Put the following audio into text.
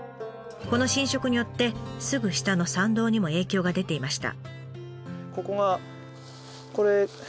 この浸食によってすぐ下の山道にも影響が出ていました。